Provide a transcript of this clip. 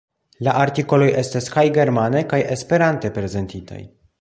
La artikoloj estas kaj germane kaj Esperante prezentitaj.